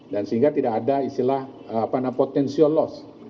dan sehingga tidak ada isilah potensial loss